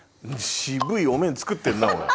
渋いお面作ってんなおい。